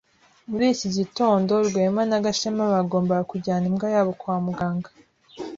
Muri iki gitondo, Rwema na Gashema bagombaga kujyana imbwa yabo kwa muganga.